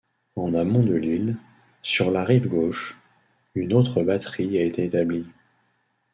En amont de l'île, sur la rive gauche, une autre batterie a été établie.